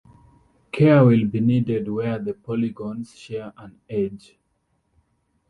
Care will be needed where the polygons share an edge.